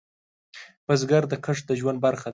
بزګر ته کښت د ژوند برخه ده